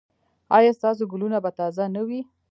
ایا ستاسو ګلونه به تازه نه وي؟